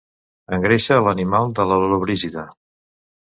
Engreixa l'animal de la Llollobrigida.